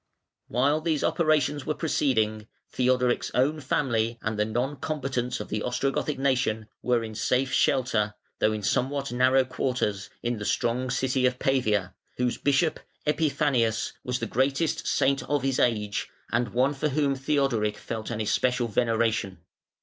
] While these operations were proceeding, Theodoric's own family and the non combatants of the Ostrogothic nation were in safe shelter, though in somewhat narrow quarters, in the strong city of Pavia, whose Bishop, Epiphanius, was the greatest saint of his age, and one for whom Theodoric felt an especial veneration.